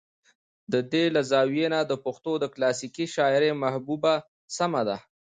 د دې له زاويې نه د پښتو د کلاسيکې شاعرۍ محبوبه سمه ده